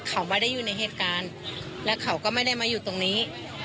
เขาไม่ได้อยู่ในเหตุการณ์และเขาก็ไม่ได้มาอยู่ตรงนี้